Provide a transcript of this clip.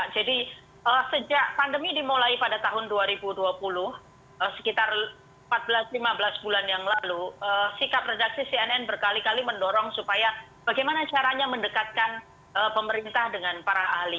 sejak pandemi dimulai pada tahun dua ribu dua puluh sekitar empat belas lima belas bulan yang lalu sikap redaksi cnn berkali kali mendorong supaya bagaimana caranya mendekatkan pemerintah dengan para ahli